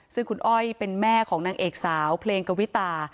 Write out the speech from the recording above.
ซึ่งคุณอ้อยเป็นแม่ของนางเอกสาวเพลงกวิตา